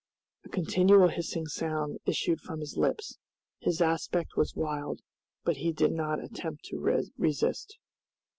A continual hissing sound issued from his lips, his aspect was wild, but he did not attempt to resist.